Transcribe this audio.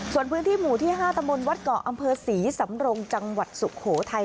ส่วนพื้นที่หมู่ที่๕ตะมนต์วัดเกาะอำเภอศรีสำรงจังหวัดสุโขทัย